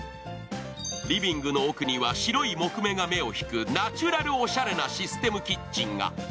リビングの奥には白い木目が目を引くナチュラルおしゃれなシステムキッチンが。